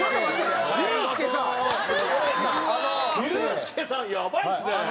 ユースケさんやばいっすね。